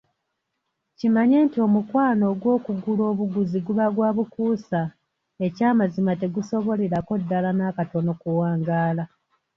Kimanye nti omukwano ogw’okugula obuguzi guba gwa bukuusa. Ekyamazima tegusobolerako ddala n’akatono kuwangaala.